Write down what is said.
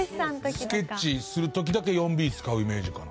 スケッチする時だけ４Ｂ使うイメージかな。